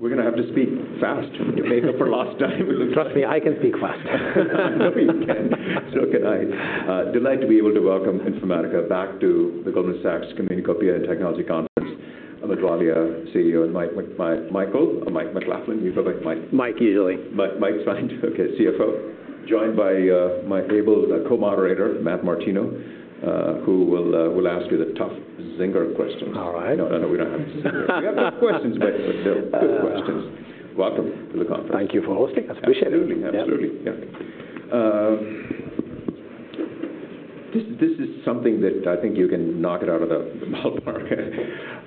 We're gonna have to speak fast to make up for lost time. Trust me, I can speak fast. You can. So can I. Delighted to be able to welcome Informatica back to the Goldman Sachs Communacopia Technology Conference. With Amit Walia, CEO, and Mike McLaughlin. You go by Mike? Mike, easily. Mike's fine, okay, CFO. Joined by my able co-moderator, Matt Martino, who will ask you the tough zinger questions. All right. No, no, we don't have zingers. We have good questions, but, but they're good questions. Welcome to the conference. Thank you for hosting us. Appreciate it. Absolutely. Yeah. Absolutely, yeah. This is something that I think you can knock it out of the ballpark.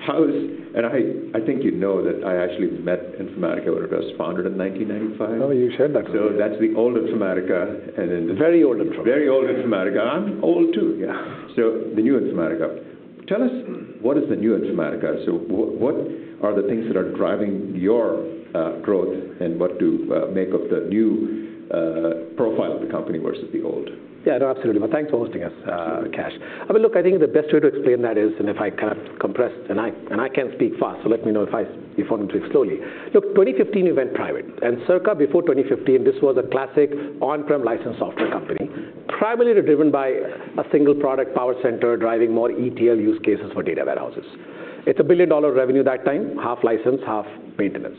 How is... And I think you know that I actually met Informatica when it was founded in 1995. Oh, you said that already. So that's the old Informatica, and then- The very old Informatica. Very old Informatica. I'm old, too. Yeah. So the new Informatica. Tell us, what is the new Informatica? So what, what are the things that are driving your growth, and what to make of the new profile of the company versus the old? Yeah, no, absolutely. Well, thanks for hosting us, Kash. I mean, look, I think the best way to explain that is, and if I kind of compress, I can speak fast, so let me know if I want to speak slowly. Look, 2015 we went private, and circa before 2015, this was a classic on-prem license software company, primarily driven by a single product, PowerCenter, driving more ETL use cases for data warehouses. It's a $1 billion revenue that time, half license, half maintenance.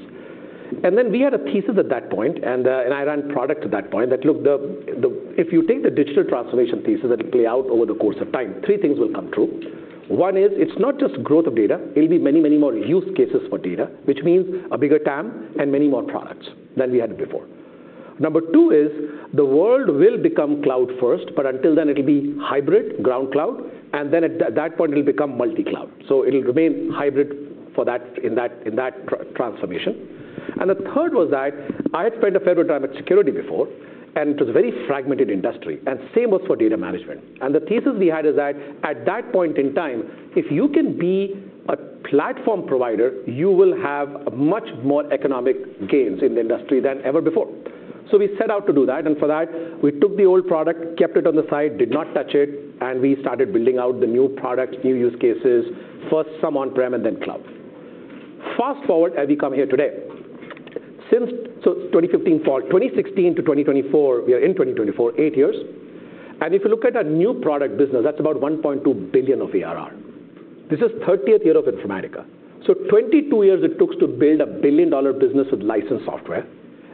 And then we had a thesis at that point, and I ran product at that point, that, look, the; If you take the digital transformation thesis that will play out over the course of time, three things will come true. One is, it's not just growth of data. It'll be many, many more use cases for data, which means a bigger TAM and many more products than we had before. Number two is, the world will become cloud first, but until then it'll be hybrid, ground cloud, and then at that point, it'll become multi-cloud. So it'll remain hybrid for that, in that transformation. And the third was that I had spent a fair bit of time at security before, and it was a very fragmented industry, and same was for data management. And the thesis we had is that at that point in time, if you can be a platform provider, you will have much more economic gains in the industry than ever before. So we set out to do that, and for that, we took the old product, kept it on the side, did not touch it, and we started building out the new products, new use cases, first some on-prem and then cloud. Fast-forward, and we come here today. Since, so 2015, fall 2016 to 2024, we are in 2024, eight years. And if you look at our new product business, that's about $1.2 billion of ARR. This is thirtieth year of Informatica. So 22 years it took us to build a billion-dollar business with licensed software,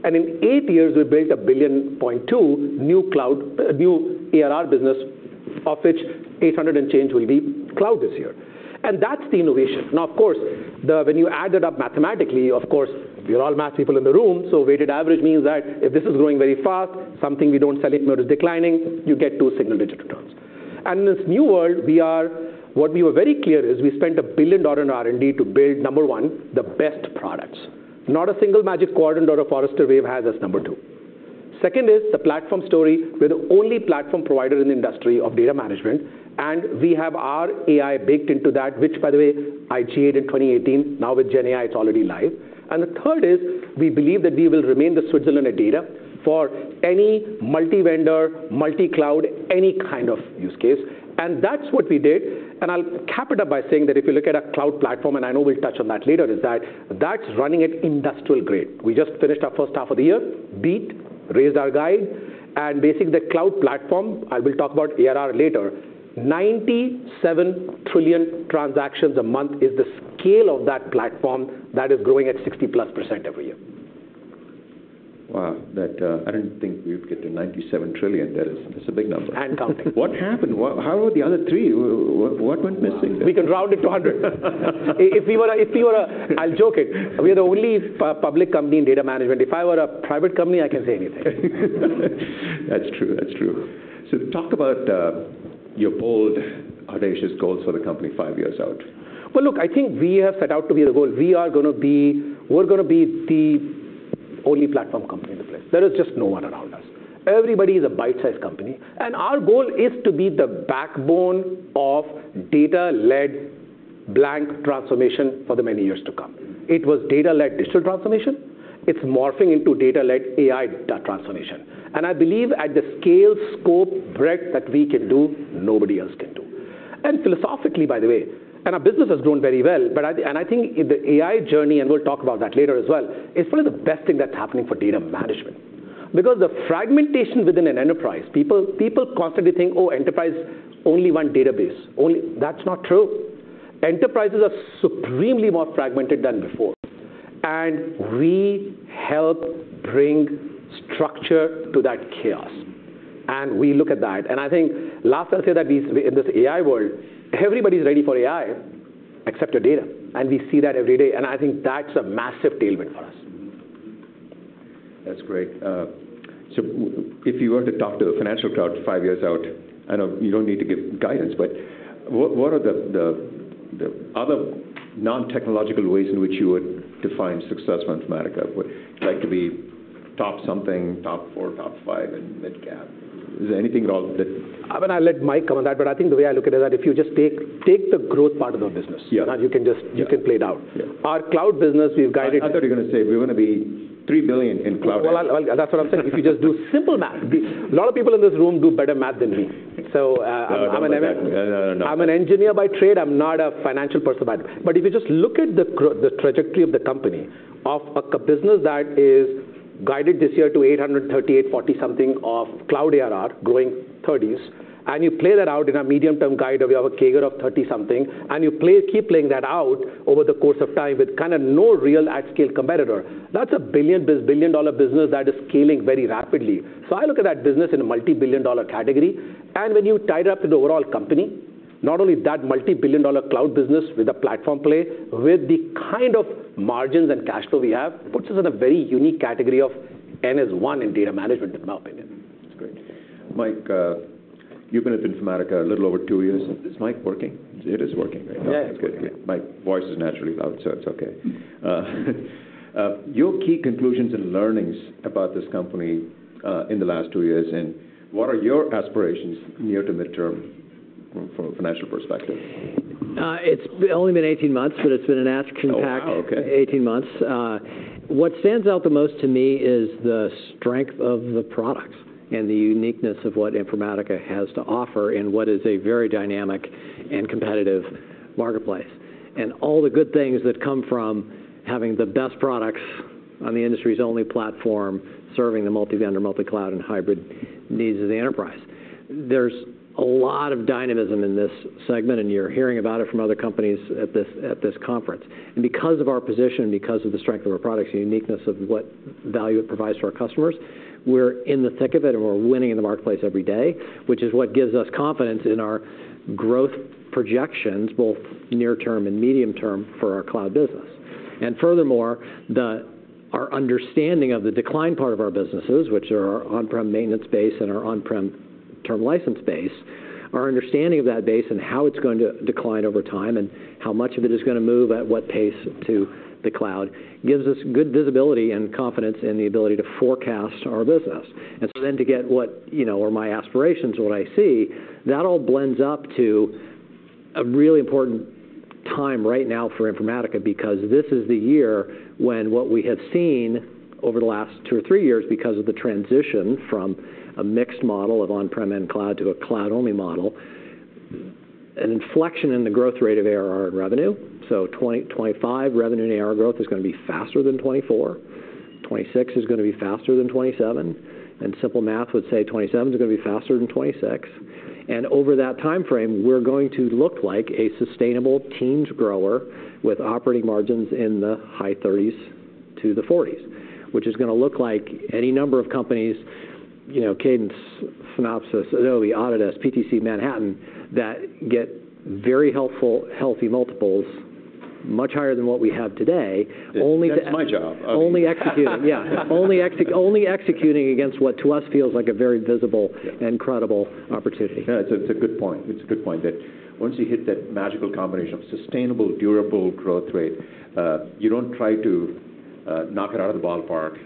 and in eight years we built a billion-point two new cloud, new ARR business, of which eight hundred and change will be cloud this year, and that's the innovation. Now, of course, when you add it up mathematically, of course, we are all math people in the room, so weighted average means that if this is growing very fast, something we don't sell anymore is declining, you get to single-digit returns. And in this new world, we are. What we were very clear is we spent $1 billion in R&D to build, number one, the best products. Not a single Magic Quadrant or a Forrester Wave has us number two. Second is the platform story. We're the only platform provider in the industry of data management, and we have our AI baked into that, which by the way, I created in 2018. Now with GenAI, it's already live. And the third is, we believe that we will remain the Switzerland of data for any multi-vendor, multi-cloud, any kind of use case, and that's what we did. I'll wrap it up by saying that if you look at our cloud platform, and I know we'll touch on that later, is that that's running at industrial grade. We just finished our first half of the year, beat, raised our guide, and basically the cloud platform, I will talk about ARR later, 97 trillion transactions a month is the scale of that platform that is growing at 60+% every year. Wow, that, I didn't think we'd get to ninety-seven trillion. That is, that's a big number. And counting. What happened? What, how are the other three... What went missing there? We could round it to hundred. If we were a... I'm joking. We are the only public company in data management. If I were a private company, I can say anything. That's true, that's true. So talk about your bold, audacious goals for the company five years out. Look, I think we have set out to be the goal. We're gonna be the only platform company in the place. There is just no one around us. Everybody is a bite-sized company, and our goal is to be the backbone of data-led 'blank' transformation for the many years to come. It was data-led digital transformation. It's morphing into data-led AI transformation, and I believe at the scale, scope, breadth that we can do, nobody else can do. Philosophically, by the way, our business has grown very well, but I think the AI journey, and we'll talk about that later as well, is probably the best thing that's happening for data management. Because the fragmentation within an enterprise, people constantly think, "Oh, enterprise, only one database, only..." That's not true. Enterprises are supremely more fragmented than before, and we help bring structure to that chaos, and we look at that, and I think last, I'll say that these, in this AI world, everybody's ready for AI except the data, and we see that every day, and I think that's a massive tailwind for us. Mm-hmm. That's great. So if you were to talk to the financial crowd five years out, I know you don't need to give guidance, but what are the other non-technological ways in which you would define success for Informatica? Would you like to be top something, top four, top five in midcap? Is there anything wrong with it? I'm gonna let Mike comment on that, but I think the way I look at it, that if you just take the growth part of the business- Yeah. Now you can just- Yeah You can play it out. Yeah. Our cloud business, we've guided- I thought you were gonna say we're gonna be $3 billion in cloud business. That's what I'm saying. If you just do simple math. A lot of people in this room do better math than me, so, I'm an- No, no, no.... I'm an engineer by trade. I'm not a financial person, but if you just look at the trajectory of the company, of a business that is guided this year to $838-840 million of cloud ARR, growing 30s%, and you play that out in a medium-term guide, where we have a CAGR of 30-something%, and you keep playing that out over the course of time with kind of no real at-scale competitor, that's a billion-dollar business that is scaling very rapidly. So I look at that business in a multi-billion dollar category, and when you tie it up to the overall company, not only that multi-billion dollar cloud business with a platform play, with the kind of margins and cash flow we have, puts us in a very unique category of number one in data management, in my opinion. That's great. Mike, you've been at Informatica a little over two years. Is this mic working? It is working right now. Yeah. It's good. Yeah. My voice is naturally loud, so it's okay. Your key conclusions and learnings about this company, in the last two years, and what are your aspirations near to midterm from a financial perspective? It's only been eighteen months, but it's been an action-packed- Oh, wow, okay.... eighteen months. What stands out the most to me is the strength of the products and the uniqueness of what Informatica has to offer in what is a very dynamic and competitive marketplace. And all the good things that come from having the best products on the industry's only platform, serving the multi-vendor, multi-cloud and hybrid needs of the enterprise. There's a lot of dynamism in this segment, and you're hearing about it from other companies at this conference. And because of our position, because of the strength of our products, the uniqueness of what value it provides to our customers, we're in the thick of it, and we're winning in the marketplace every day, which is what gives us confidence in our growth projections, both near term and medium term, for our cloud business. Furthermore, our understanding of the decline part of our businesses, which are our on-prem maintenance base and our on-prem term license base, our understanding of that base and how it's going to decline over time, and how much of it is gonna move at what pace to the cloud, gives us good visibility and confidence in the ability to forecast our business. And so then to get what, you know, or my aspirations, what I see, that all blends up to a really important time right now for Informatica, because this is the year when what we have seen over the last two or three years, because of the transition from a mixed model of on-prem and cloud to a cloud-only model, an inflection in the growth rate of ARR and revenue. So 2025 revenue and ARR growth is gonna be faster than 2024. 2026 is gonna be faster than 2027, and simple math would say 2027 is gonna be faster than 2026. And over that timeframe, we're going to look like a sustainable teens grower with operating margins in the high thirties to the forties, which is gonna look like any number of companies, you know, Cadence, Synopsys, Adobe, Autodesk, PTC, Manhattan, that get very helpful, healthy multiples, much higher than what we have today. Only to- That's my job. Only executing against what, to us, feels like a very visible and credible opportunity. Yeah, it's a good point. It's a good point, that once you hit that magical combination of sustainable, durable growth rate, you don't try to knock it out of the ballpark.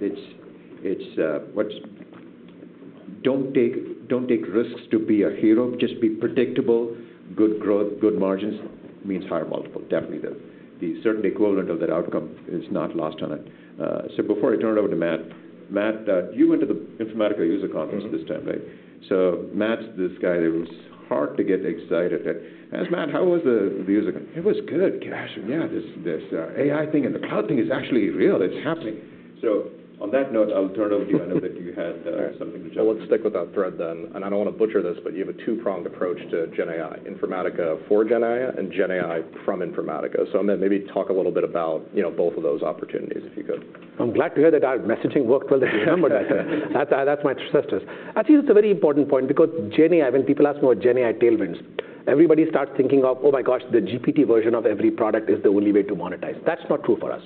It's what's... Don't take risks to be a hero. Just be predictable, good growth, good margins, means higher multiple. Definitely, the certain equivalent of that outcome is not lost on it. So before I turn it over to Matt: Matt, you went to the Informatica user conference this time, right? Mm-hmm. So Matt's this guy who's hard to get excited. "As Matt, how was the user?" "It was good, Kash. Yeah, this, this, AI thing and the cloud thing is actually real. It's happening." So on that note, I'll turn it over to you. I know that you had... All right. Let's stick with that thread then, and I don't want to butcher this, but you have a two-pronged approach to GenAI: Informatica for GenAI and GenAI from Informatica. So, I mean, maybe talk a little bit about, you know, both of those opportunities, if you could. I'm glad to hear that our messaging worked well with you, but that's my segue. I think it's a very important point because GenAI, when people ask about GenAI tailwinds, everybody starts thinking of, "Oh, my gosh, the GPT version of every product is the only way to monetize." That's not true for us,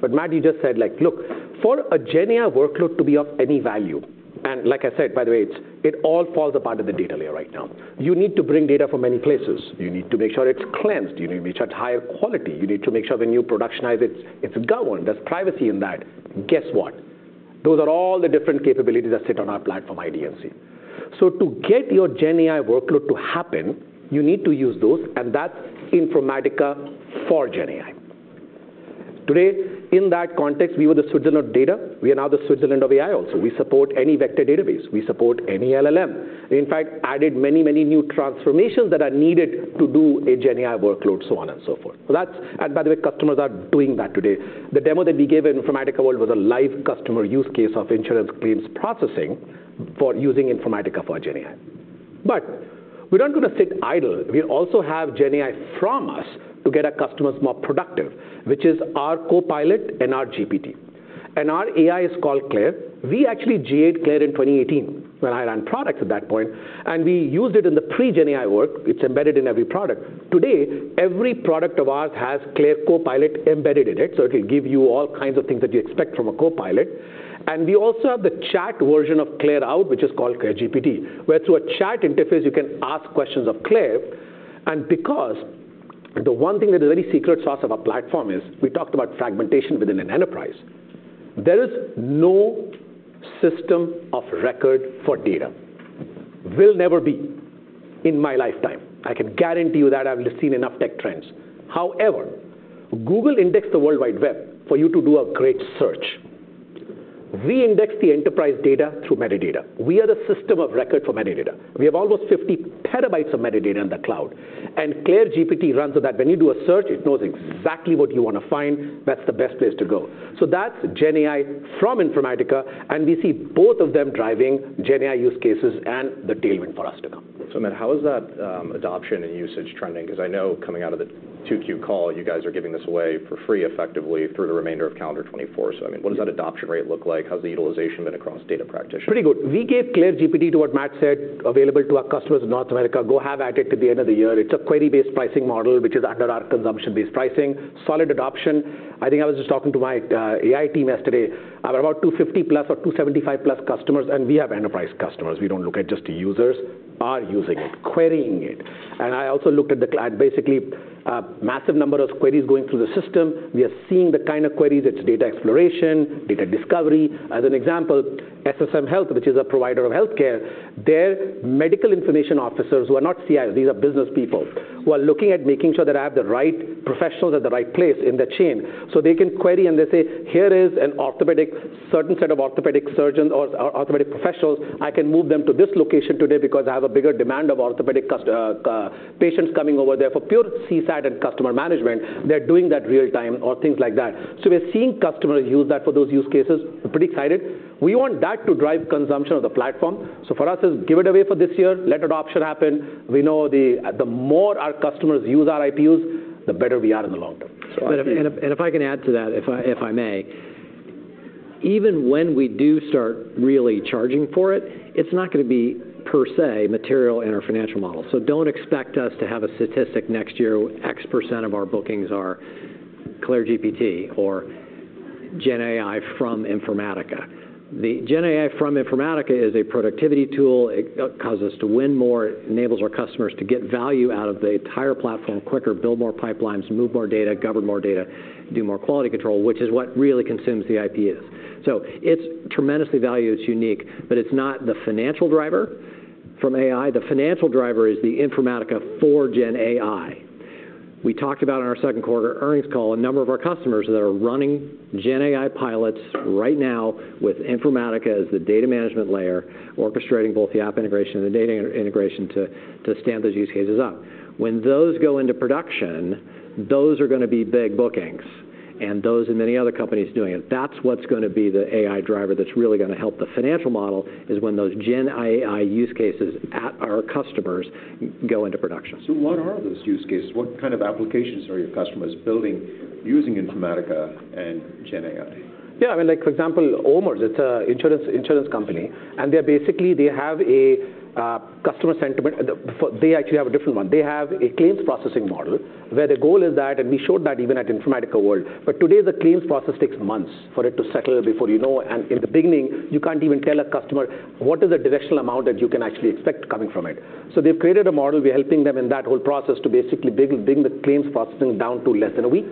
but Matt, you just said, like: Look, for a GenAI workload to be of any value, and like I said, by the way, it all falls apart at the data layer right now. You need to bring data from many places. You need to make sure it's cleansed, you need to make sure it's higher quality. You need to make sure when you productionize it, it's governed. There's privacy in that. Guess what? Those are all the different capabilities that sit on our platform, IDMC. So to get your GenAI workload to happen, you need to use those, and that's Informatica for GenAI. Today, in that context, we were the Switzerland of data. We are now the Switzerland of AI also. We support any vector database. We support any LLM. In fact, added many, many new transformations that are needed to do a GenAI workload, so on and so forth. So that's... And by the way, customers are doing that today. The demo that we gave at Informatica World was a live customer use case of insurance claims processing for using Informatica for GenAI. But we're not going to sit idle. We also have GenAI from us to get our customers more productive, which is our Copilot and our GPT, and our AI is called CLAIRE. We actually GA'd CLAIRE in 2018, when I ran products at that point, and we used it in the pre-GenAI work. It's embedded in every product. Today, every product of ours has CLAIRE Copilot embedded in it, so it can give you all kinds of things that you expect from a copilot. And we also have the chat version of CLAIRE out, which is called CLAIRE GPT, where through a chat interface, you can ask questions of CLAIRE. The one thing that is any secret sauce of our platform is, we talked about fragmentation within an enterprise. There is no system of record for data. Will never be in my lifetime. I can guarantee you that, I've seen enough tech trends. However, Google indexed the World Wide Web for you to do a great search. We index the enterprise data through metadata. We are the system of record for metadata. We have almost fifty terabytes of metadata in the cloud, and CLAIRE GPT runs on that. When you do a search, it knows exactly what you want to find. That's the best place to go. So that's GenAI from Informatica, and we see both of them driving GenAI use cases and the tailwind for us to come. So Amit, how is that adoption and usage trending? 'Cause I know coming out of the 2Q call, you guys are giving this away for free, effectively, through the remainder of calendar 2024. So, I mean, what does that adoption rate look like? How's the utilization been across data practitioners? Pretty good. We gave CLAIRE GPT, to what Matt said, available to our customers in North America, go have at it to the end of the year. It's a query-based pricing model, which is under our consumption-based pricing. Solid adoption. I think I was just talking to my AI team yesterday. About 250 plus or 275 plus customers, and we have enterprise customers, we don't look at just the users, are using it, querying it, and I also looked at the cloud, basically, a massive number of queries going through the system. We are seeing the kind of queries, it's data exploration, data discovery. As an example, SSM Health, which is a provider of healthcare, their medical information officers, who are not CIOs, these are business people, who are looking at making sure that I have the right professionals at the right place in the chain. So they can query, and they say, "Here is an orthopedic, certain set of orthopedic surgeons or, or orthopedic professionals. I can move them to this location today because I have a bigger demand of orthopedic customer, patients coming over there." For pure CSAT and customer management, they're doing that real time or things like that. So we're seeing customers use that for those use cases. We're pretty excited. We want that to drive consumption of the platform. So for us, is give it away for this year, let adoption happen. We know the more our customers use our IPUs, the better we are in the long term. So, and if I can add to that, if I may. Even when we do start really charging for it, it's not gonna be, per se, material in our financial model. So don't expect us to have a statistic next year, X% of our bookings are CLAIRE GPT or GenAI from Informatica. The GenAI from Informatica is a productivity tool. It causes us to win more, it enables our customers to get value out of the entire platform quicker, build more pipelines, move more data, govern more data, do more quality control, which is what really consumes the IPUs. So it's tremendously valued, it's unique, but it's not the financial driver from AI. The financial driver is the Informatica for GenAI. We talked about in our second quarter earnings call a number of our customers that are running GenAI pilots right now with Informatica as the data management layer, orchestrating both the app integration and the data integration to stand those use cases up. When those go into production, those are gonna be big bookings, and those and many other companies doing it. That's what's gonna be the AI driver that's really gonna help the financial model, is when those GenAI use cases at our customers go into production. So what are those use cases? What kind of applications are your customers building using Informatica and GenAI? Yeah, I mean, like, for example, OMERS, it's a insurance company, and they're basically. They have a customer sentiment. They actually have a different one. They have a claims processing model, where the goal is that, and we showed that even at Informatica World, but today, the claims process takes months for it to settle before you know. And in the beginning, you can't even tell a customer what is the directional amount that you can actually expect coming from it. So they've created a model. We're helping them in that whole process to basically bring the claims processing down to less than a week.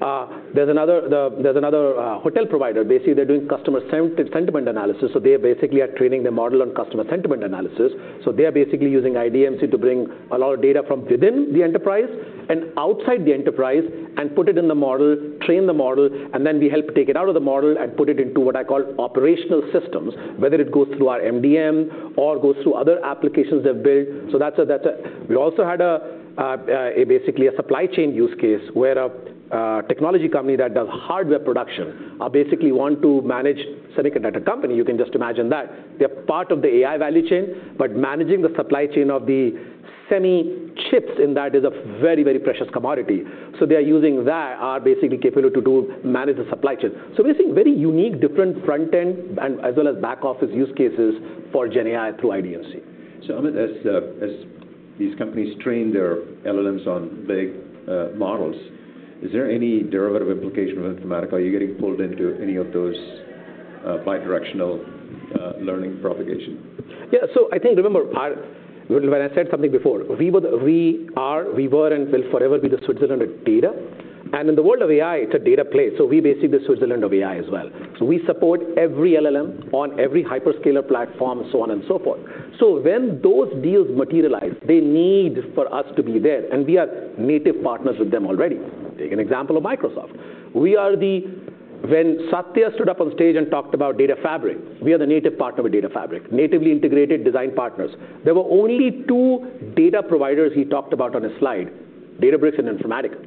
There's another hotel provider. Basically, they're doing customer sentiment analysis, so they basically are training their model on customer sentiment analysis. So they are basically using IDMC to bring a lot of data from within the enterprise and outside the enterprise, and put it in the model, train the model, and then we help take it out of the model and put it into what I call operational systems, whether it goes through our MDM or goes through other applications they've built. So that's a, we also had a basically a supply chain use case, where a technology company that does hardware production basically want to manage semiconductor company. You can just imagine that. They're part of the AI value chain, but managing the supply chain of the semi chips, and that is a very, very precious commodity. So they are using that, are basically capable to do manage the supply chain. So we're seeing very unique, different front-end, and as well as back-office use cases for GenAI through IDMC. So Amit, as these companies train their LLMs on big models, is there any derivative implication with Informatica? Are you getting pulled into any of those bi-directional learning propagation? Yeah, so I think, remember, when I said something before, we were, we are, and will forever be the Switzerland of data. And in the world of AI, it's a data play, so we're basically the Switzerland of AI as well. So we support every LLM on every hyperscaler platform, so on and so forth. So when those deals materialize, they need for us to be there, and we are native partners with them already. Take an example of Microsoft. We are the; when Satya stood up on stage and talked about data fabric, we are the native partner with data fabric, natively integrated design partners. There were only two data providers he talked about on his slide: Databricks and Informatica.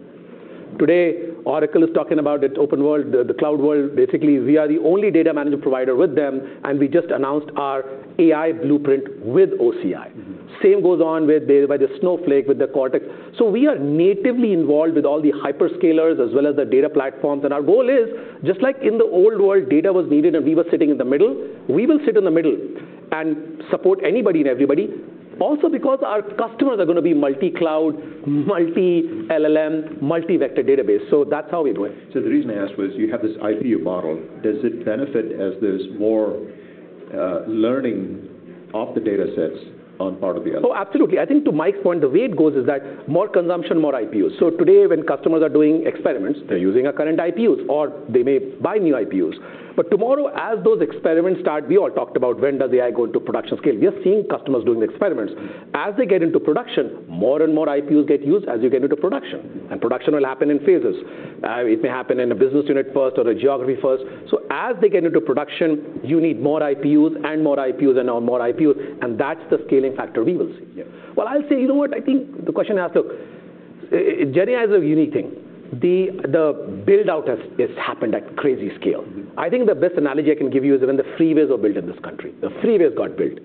Today, Oracle is talking about its OpenWorld, the cloud world. Basically, we are the only data management provider with them, and we just announced our AI blueprint with OCI. Mm-hmm. Same goes on with the Snowflake, with the Cortex. We are natively involved with all the hyperscalers, as well as the data platforms. Our goal is, just like in the old world, data was needed, and we were sitting in the middle. We will sit in the middle and support anybody and everybody. Also, because our customers are gonna be multi-cloud, multi-LLM, multi-vector database, so that's how we do it. So the reason I asked was you have this IPU model. Does it benefit as there's more learning, off the data sets on part of the other? Oh, absolutely. I think to Mike's point, the way it goes is that more consumption, more IPUs. So today, when customers are doing experiments, they're using our current IPUs, or they may buy new IPUs. But tomorrow, as those experiments start, we all talked about when does AI go into production scale? We are seeing customers doing experiments. As they get into production, more and more IPUs get used as you get into production, and production will happen in phases. It may happen in a business unit first or a geography first. So as they get into production, you need more IPUs, and more IPUs, and now more IPUs, and that's the scaling factor we will see. Yeah. I'll say, you know what? I think the question asked, look, GenAI is a unique thing. The build-out has. It's happened at crazy scale. Mm-hmm. I think the best analogy I can give you is when the freeways were built in this country. The freeways got built,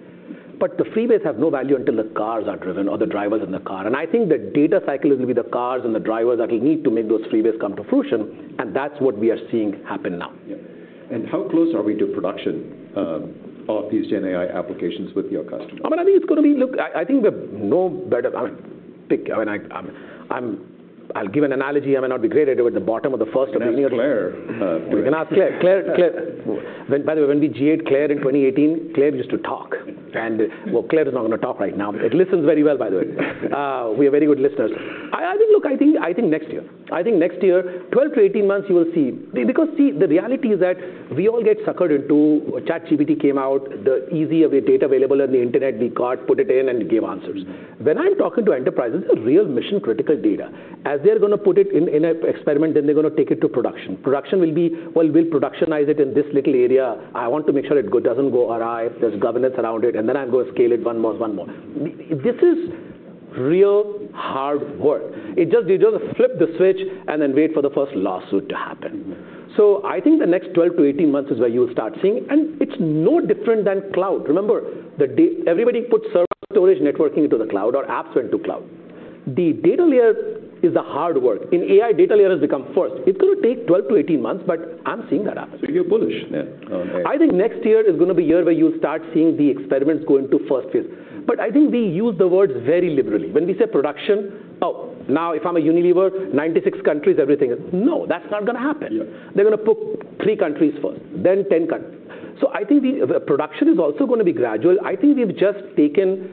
but the freeways have no value until the cars are driven or the drivers in the car, and I think the data cycle is going to be the cars and the drivers that you need to make those freeways come to fruition, and that's what we are seeing happen now. Yeah. And how close are we to production of these GenAI applications with your customers? I mean, I think it's going to be. Look, I think we have no better pick. I mean, I'll give an analogy. It may not be great. It was the bottom of the first of the year- Ask CLAIRE, We can ask CLAIRE. CLAIRE, CLAIRE. By the way, when we GA'd CLAIRE in twenty eighteen, CLAIRE used to talk, and. Well, CLAIRE is not going to talk right now. It listens very well, by the way. We are very good listeners. I think next year. I think next year, 12 to 18 months, you will see. Because, see, the reality is that we all get suckered into; ChatGPT came out, the ease of the data available on the internet, we caught, put it in, and it gave answers. When I'm talking to enterprises, a real mission-critical data, as they're going to put it in, in an experiment, then they're going to take it to production. Production will be, "Well, we'll productionize it in this little area. I want to make sure it doesn't go awry, there's governance around it, and then I'm going to scale it one more, one more." This is real hard work. It just, you don't flip the switch and then wait for the first lawsuit to happen. Mm. I think the next twelve to eighteen months is where you'll start seeing, and it's no different than cloud. Remember, everybody put server storage networking into the cloud or apps into cloud. The data layer is the hard work. In AI, data layer has become first. It's going to take twelve to eighteen months, but I'm seeing that happen. So you're bullish, yeah, on AI. I think next year is going to be the year where you'll start seeing the experiments go into first phase. But I think we use the word very liberally. When we say production, "Oh, now, if I'm a Unilever, 96 countries, everything is..." No, that's not going to happen. Yeah. They're going to put three countries first, then ten countries. So I think the production is also going to be gradual. I think we've just taken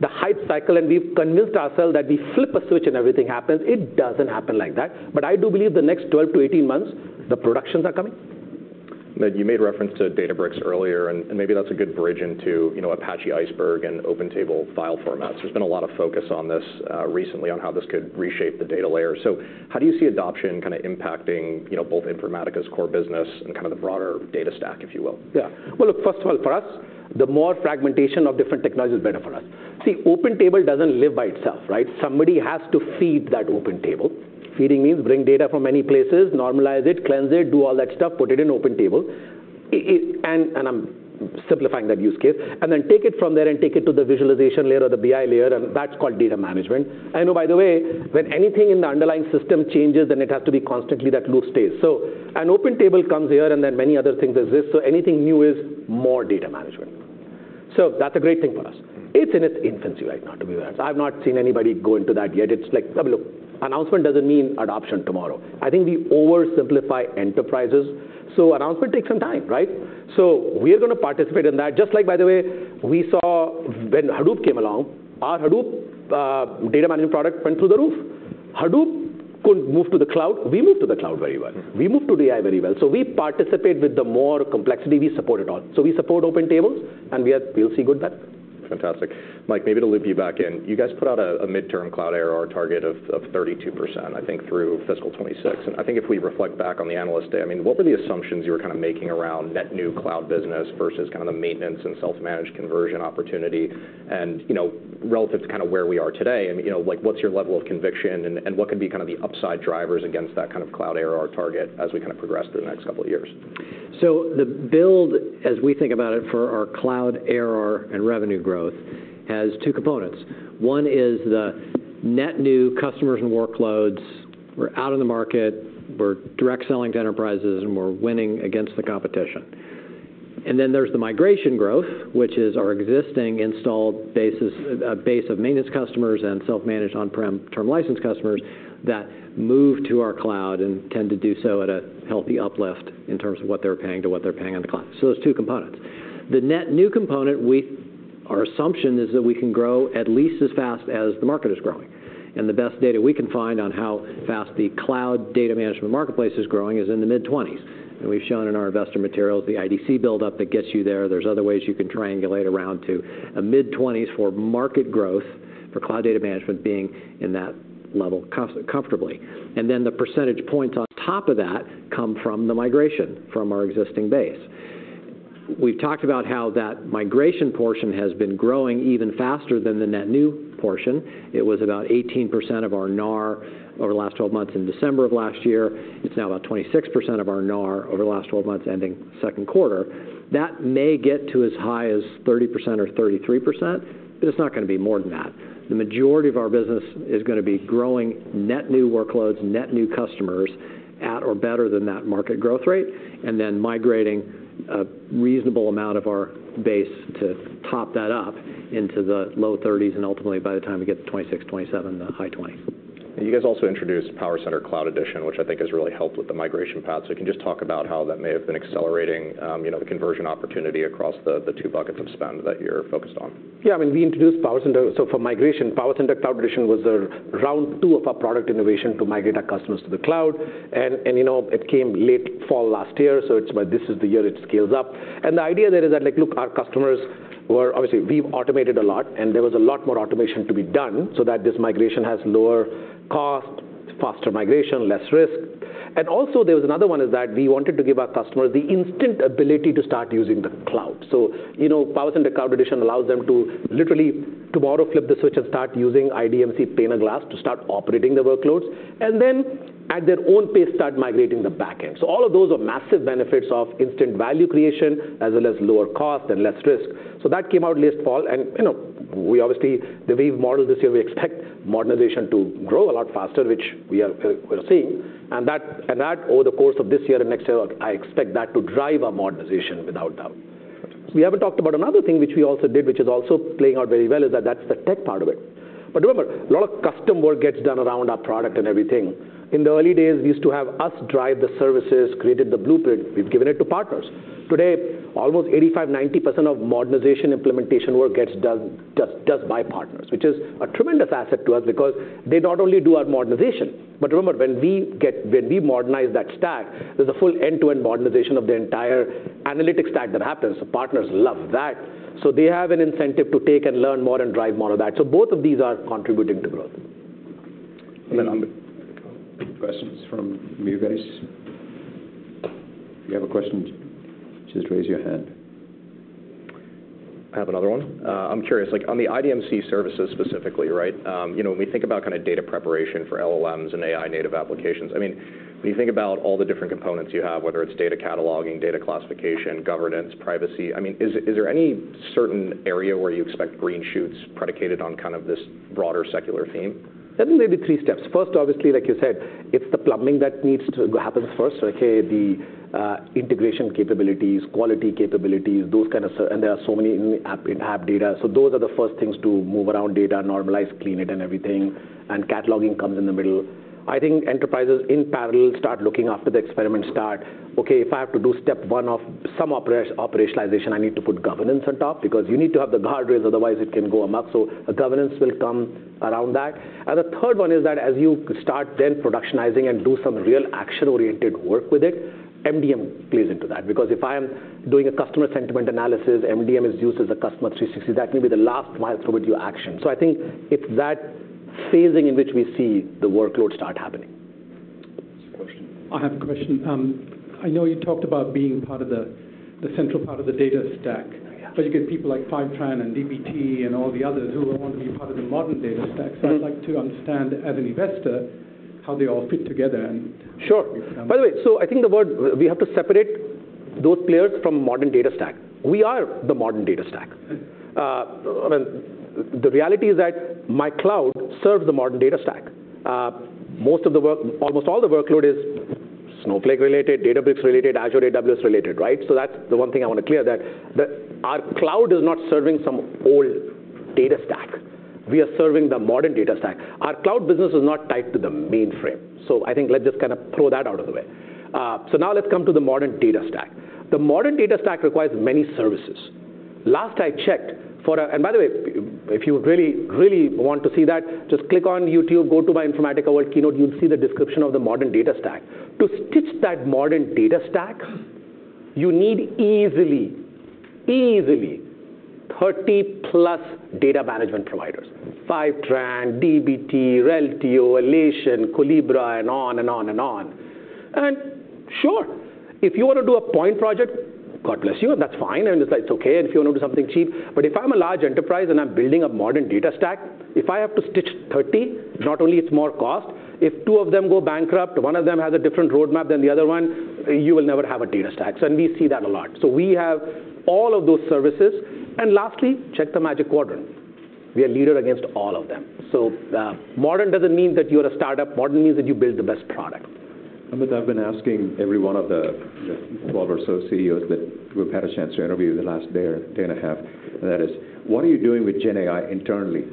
the hype cycle, and we've convinced ourself that we flip a switch, and everything happens. It doesn't happen like that. But I do believe the next twelve to eighteen months, the productions are coming. Yeah. And you made reference to Databricks earlier, and maybe that's a good bridge into, you know, Apache Iceberg and Open Table file formats. There's been a lot of focus on this recently, on how this could reshape the data layer. So how do you see adoption kind of impacting, you know, both Informatica's core business and kind of the broader data stack, if you will? Yeah. Well, look, first of all, for us, the more fragmentation of different technologies is better for us. See, Open Table doesn't live by itself, right? Somebody has to feed that Open Table. Feeding means bring data from many places, normalize it, cleanse it, do all that stuff, put it in Open Table. It, and I'm simplifying that use case, and then take it from there, and take it to the visualization layer or the BI layer, and that's called data management. And oh, by the way, when anything in the underlying system changes, then it has to be constantly that loop stays. So an Open Table comes here, and then many other things exist, so anything new is more data management. So that's a great thing for us. It's in its infancy right now, to be honest. I've not seen anybody go into that yet. It's like, look, announcement doesn't mean adoption tomorrow. I think we oversimplify enterprises, so announcement takes some time, right? So we are going to participate in that, just like, by the way, we saw when Hadoop came along, our Hadoop data management product went through the roof. Hadoop could move to the cloud. We moved to the cloud very well. We moved to the AI very well, so we participate with the more complexity we support it on, so we support Open Table, and we'll see good backlog. Fantastic. Mike, maybe to loop you back in, you guys put out a midterm cloud ARR target of 32%, I think, through fiscal 2026. And I think if we reflect back on the Analyst Day, I mean, what were the assumptions you were kind of making around net new cloud business versus kind of the maintenance and self-managed conversion opportunity? And, you know, relative to kind of where we are today, I mean, you know, like, what's your level of conviction, and what could be kind of the upside drivers against that kind of cloud ARR target as we kind of progress through the next couple of years? So the build, as we think about it for our cloud ARR and revenue growth, has two components. One is the net new customers and workloads. We're out in the market, we're direct selling to enterprises, and we're winning against the competition. And then there's the migration growth, which is our existing installed bases, base of maintenance customers and self-managed on-prem term license customers that move to our cloud and tend to do so at a healthy uplift in terms of what they're paying to what they're paying on the cloud. So those two components. The net new component, our assumption is that we can grow at least as fast as the market is growing, and the best data we can find on how fast the cloud data management marketplace is growing is in the mid-twenties. We've shown in our investor materials the IDC build-up that gets you there. There's other ways you can triangulate around to a mid-twenties for market growth, for cloud data management being in that level comfortably. Then the percentage points on top of that come from the migration from our existing base. We've talked about how that migration portion has been growing even faster than the net new portion. It was about 18% of our NAR over the last twelve months in December of last year. It's now about 26% of our NAR over the last twelve months, ending second quarter. That may get to as high as 30% or 33%, but it's not going to be more than that. The majority of our business is going to be growing net new workloads, net new customers at or better than that market growth rate, and then migrating a reasonable amount of our base to top that up.into the low thirties, and ultimately, by the time we get to 2026, 2027, the high twenties. And you guys also introduced PowerCenter Cloud Edition, which I think has really helped with the migration path. So can you just talk about how that may have been accelerating, you know, the conversion opportunity across the two buckets of spend that you're focused on? Yeah, I mean, we introduced PowerCenter. So for migration, PowerCenter Cloud Edition was the round two of our product innovation to migrate our customers to the cloud. And, you know, it came late fall last year, so it's, but this is the year it scales up. And the idea there is that, like, look, our customers were. Obviously, we've automated a lot, and there was a lot more automation to be done so that this migration has lower cost, faster migration, less risk. And also, there was another one, is that we wanted to give our customers the instant ability to start using the cloud. So, you know, PowerCenter Cloud Edition allows them to literally, tomorrow, flip the switch and start using IDMC pane of glass to start operating the workloads, and then, at their own pace, start migrating the back end. So all of those are massive benefits of instant value creation, as well as lower cost and less risk. So that came out late fall, and, you know, we obviously, the way we've modeled this year, we expect modernization to grow a lot faster, which we are, we're seeing. And that, over the course of this year and next year, I expect that to drive our modernization, without doubt. We haven't talked about another thing which we also did, which is also playing out very well, is that that's the tech part of it. But remember, a lot of custom work gets done around our product and everything. In the early days, we used to have us drive the services, created the blueprint. We've given it to partners. Today, almost 85%-90% of modernization implementation work gets done by partners, which is a tremendous asset to us because they not only do our modernization, but remember, when we modernize that stack, there's a full end-to-end modernization of the entire analytics stack that happens. The partners love that, so they have an incentive to take and learn more and drive more of that, so both of these are contributing to growth. Any questions from you guys? If you have a question, just raise your hand. I have another one. I'm curious, like, on the IDMC services specifically, right? You know, when we think about kind of data preparation for LLMs and AI-native applications, I mean, when you think about all the different components you have, whether it's data cataloging, data classification, governance, privacy, I mean, is there any certain area where you expect green shoots predicated on kind of this broader secular theme? I think there may be three steps. First, obviously, like you said, it's the plumbing that needs to-- happens first. So, okay, the integration capabilities, quality capabilities, those kind of and there are so many in-app data. So those are the first things to move around data, normalize, clean it and everything, and cataloging comes in the middle. I think enterprises, in parallel, start looking after the experiment start. Okay, if I have to do step one of some operationalization, I need to put governance on top, because you need to have the guardrails, otherwise it can go amok. So a governance will come around that. And the third one is that as you start then productionizing and do some real action-oriented work with it, MDM plays into that. Because if I am doing a customer sentiment analysis, MDM is used as a customer 360s, that may be the last mile toward your action, so I think it's that phasing in which we see the workload start happening. Next question. I have a question. I know you talked about being part of the central part of the data stack. Yeah. but you get people like Fivetran and dbt and all the others who all want to be part of the modern data stack. Mm-hmm. So I'd like to understand, as an investor, how they all fit together, and- Sure. By the way, so I think the word - we have to separate those players from modern data stack. We are the modern data stack. I mean, the reality is that my cloud serves the modern data stack. Most of the work - almost all the workload is Snowflake-related, Databricks-related, Azure AWS-related, right? So that's the one thing I want to clear, that our cloud is not serving some old data stack. We are serving the modern data stack. Our cloud business is not tied to the mainframe. So I think let's just kind of throw that out of the way. So now let's come to the modern data stack. The modern data stack requires many services. Last I checked; and by the way, if you really, really want to see that, just click on YouTube, go to my Informatica World keynote. You'll see the description of the modern data stack. To stitch that modern data stack, you need easily, easily 30-plus data management providers- Fivetran, dbt, Reltio, Alation, Collibra, and on and on and on. And sure, if you want to do a point project, God bless you, and that's fine, and it's okay, and if you want to do something cheap. But if I'm a large enterprise and I'm building a modern data stack, if I have to stitch 30, not only it's more cost, if two of them go bankrupt, one of them has a different roadmap than the other one, you will never have a data stack. So we see that a lot. So we have all of those services. Lastly, check the Magic Quadrant. We are leaders against all of them. Modern doesn't mean that you're a startup. Modern means that you build the best product. Amit, I've been asking every one of the twelve or so CEOs that we've had a chance to interview the last day or day and a half, and that is: what are you doing with GenAI internally?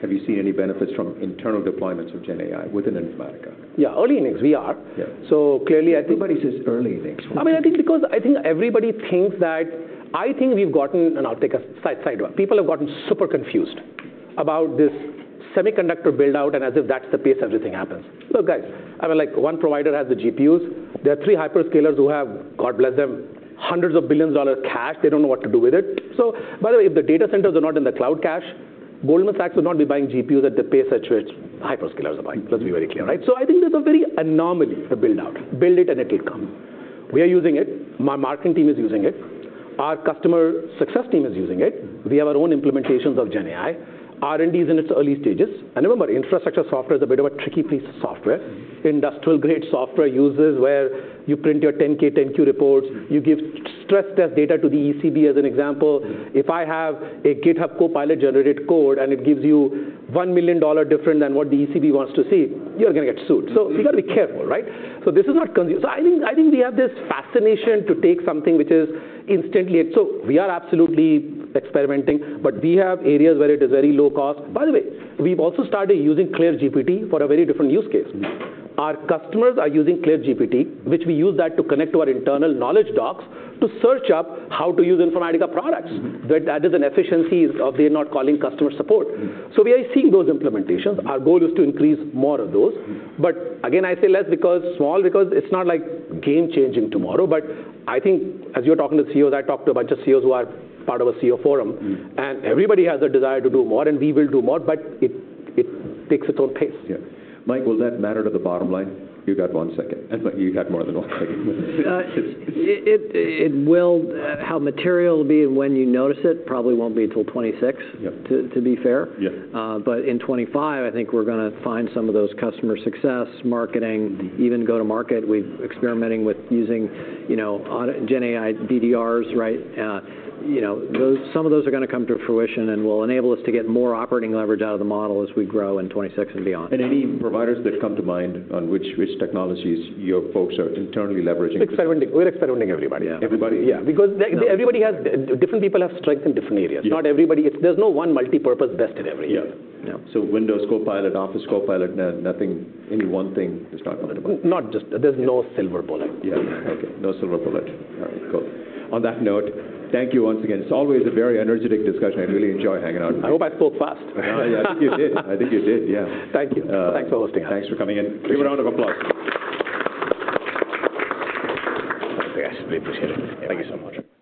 Have you seen any benefits from internal deployments of GenAI within Informatica? Yeah, early innings, we are. Yeah. So clearly, I think. Everybody says early innings. I mean, I think because I think everybody thinks that. I think we've gotten, and I'll take a side, side one, people have gotten super confused about this semiconductor build-out, and as if that's the pace everything happens. Look, guys, I mean, like, one provider has the GPUs. There are three hyperscalers who have, God bless them, hundreds of billions of dollars cash. They don't know what to do with it. So by the way, if the data centers are not in the cloud cache, Goldman Sachs would not be buying GPUs at the pace at which hyperscalers are buying. Let's be very clear, right? So I think there's a very anomaly to build out. Build it and it will come. We are using it. My marketing team is using it. Our customer success team is using it. We have our own implementations of GenAI. R&D is in its early stages. Remember, infrastructure software is a bit of a tricky piece of software. Mm-hmm. Industrial-grade software uses where you print your 10-K, 10-Q reports. Mm. You give stress test data to the ECB as an example. If I have a GitHub Copilot-generated code, and it gives you $1 million different than what the ECB wants to see, you're gonna get sued. Mm. So you've got to be careful, right? So this is not gonna be; so I think we have this fascination to take something which is instantly. So we are absolutely experimenting, but we have areas where it is very low cost. By the way, we've also started using CLAIRE GPT for a very different use case. Mm. Our customers are using CLAIRE GPT, which we use that to connect to our internal knowledge docs, to search up how to use Informatica products. Mm. That is an efficiency that they're not calling customer support. Mm. We are seeing those implementations. Our goal is to increase more of those. Mm. But again, I say less because small, because it's not like game changing tomorrow. But I think as you're talking to CEOs, I talked to a bunch of CEOs who are part of a CEO forum- Mm. and everybody has a desire to do more, and we will do more, but it takes its own pace. Yeah. Mike, will that matter to the bottom line? You got one second. You got more than one second. It will. How material it'll be and when you notice it, probably won't be till 2026- Yeah. to be fair. Yeah. But in 2025, I think we're gonna find some of those customer success, marketing- Mm. - even go-to-market, we're experimenting with using, you know, GenAI DDRs, right? Mm. You know, some of those are gonna come to fruition and will enable us to get more operating leverage out of the model as we grow in 2026 and beyond. And any providers that come to mind on which technologies your folks are internally leveraging? Experimenting. We're experimenting, everybody. Yeah. Everybody, yeah, because everybody has different people have strengths in different areas. Yeah. Not everybody. It's. There's no one multipurpose best at everything. Yeah. Yeah. So Windows Copilot, Office Copilot, nothing, any one thing to talk about? Not just; there's no silver bullet. Yeah, okay. No silver bullet. All right, cool. On that note, thank you once again. It's always a very energetic discussion. I really enjoy hanging out with you. I hope I spoke fast. Yeah, I think you did. I think you did, yeah. Thank you. Uh- Thanks for hosting us. Thanks for coming in. Give him a round of applause. I really appreciate it. Thank you so much.